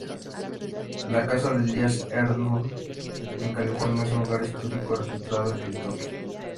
La Casa de Elías Herndon en California es un Lugar Histórico registrados en Kentucky.